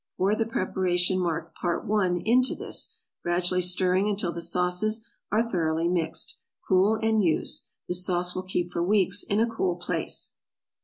Pour the preparation marked part 1, into this, gradually stirring until the sauces are thoroughly mixed; cool and use. This sauce will keep for weeks in a cool place.